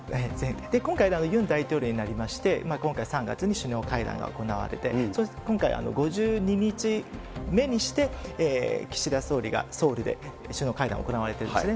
今回、ユン大統領になりまして、今回、３月に首脳会談が行われて、今回、５２日目にして岸田総理がソウルで首脳会談行われてるんですね。